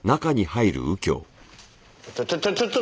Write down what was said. ちょちょちょっと。